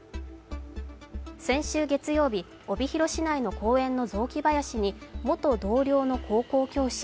先週月曜日、帯広市内の公園の雑木林に元同僚の高校教師